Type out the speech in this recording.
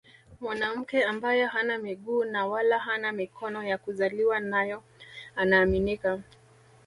Mwanamke ambaye hana miguu na wala hana mikono ya kuzaliwa nayo anaaminika